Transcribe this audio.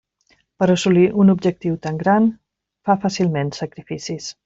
Per a assolir un objectiu tan gran, fa fàcilment sacrificis.